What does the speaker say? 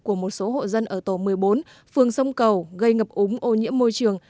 của một số hộ dân ở tổ một mươi bốn phường sông cầu gây ngập úng ô nhiễm môi trường